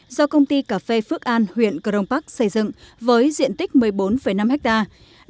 do công ty cà phê phước an huyện cờ rông bắc xây dựng với diện tích một mươi bốn năm hectare